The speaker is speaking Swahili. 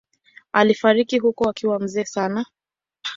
Alifariki huko akiwa mzee sana.